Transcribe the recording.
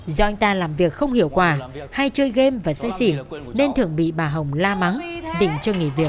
do anh ta làm việc không hiệu quả hay chơi game và say xỉn nên thường bị bà hồng la mãng đỉnh cho nghỉ việc